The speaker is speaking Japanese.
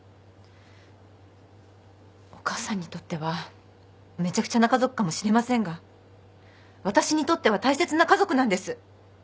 お母さんにとってはめちゃくちゃな家族かもしれませんがわたしにとっては大切な家族なんです。